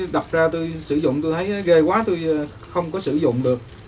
đập ra tôi sử dụng tôi thấy ghê quá tôi không có sử dụng được